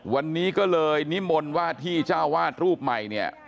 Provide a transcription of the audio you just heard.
วันนี้ก็เลยนิมนต์ว่าที่เจ้าวาดรูปใหม่เนี่ย